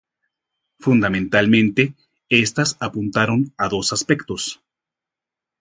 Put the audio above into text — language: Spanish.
Fundamentalmente, estas apuntaron a dos aspectos.